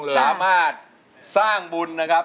สามารถสร้างบุญนะครับ